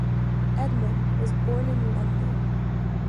Edmund was born in London.